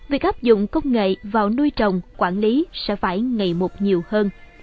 việc áp dụng công nghệ vào nuôi trồng quản lý sẽ phải ngày một nhiều hơn